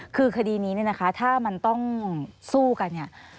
คือคดีนี้เนี่ยนะคะถ้ามันต้องสู้กันเนี่ย